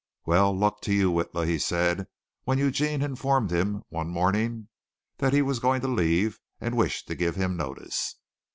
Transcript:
"Well, luck to you, Witla," he said, when Eugene informed him one morning that he was going to leave and wished to give him notice.